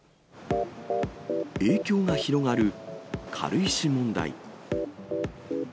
影響が広がる軽石問題。